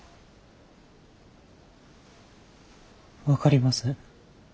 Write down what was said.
分かりません。